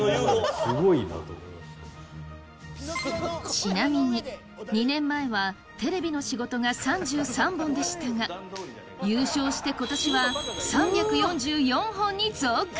ちなみに、２年前はテレビの仕事が３３本でしたが優勝してことしは３４４本に増加！